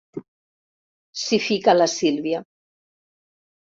S'hi fica la Sílvia—.